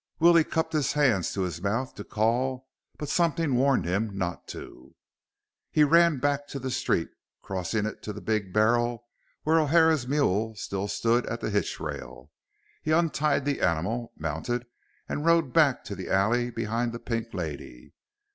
Willie cupped his hands to his mouth to call but something warned him not to. He ran back to the street, crossing it to the Big Barrel, where O'Hara's mule still stood at the hitch rail. He untied the animal, mounted, and rode back to the alley behind the Pink Lady.